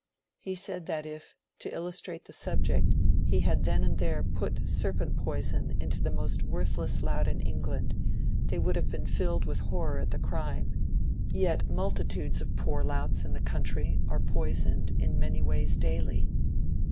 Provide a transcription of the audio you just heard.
He said that if, to illustrate the subject, he had then and there put serpent poi son into the most worthless lout in England, they would lutve been filled with horror at the crime ; yet multitudes of poor louts in the country are poisoned in many ways daily.